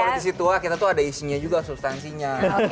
jadi politisi tua kita tuh ada isinya juga substansinya